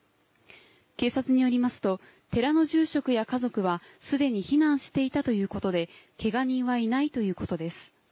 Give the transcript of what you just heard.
警察によりますと、寺の住職や家族は、すでに避難していたということで、けが人はいないということです。